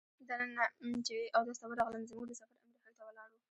دننه چې اودس ته ورغلم زموږ د سفر امیر هلته ولاړ و.